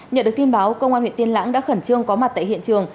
nhận được tin báo công an huyện tiên lãng đã khẩn trương có mặt tại hiện trường